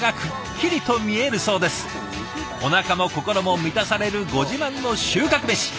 おなかも心も満たされるご自慢の収穫メシ